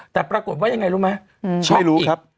แต่ปรากฏว่ายังไงรู้ไหมเพื่ออีกใช่รู้ครับ